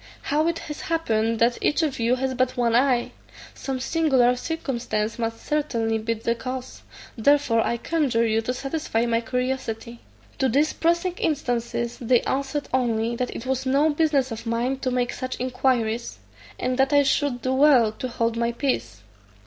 How it has happened that each of you has but one eye? Some singular circumstance must certainly be the cause; therefore I conjure you to satisfy my curiosity." To these pressing instances they answered only, that it was no business of mine to make such inquiries, and that I should do well to hold my peace.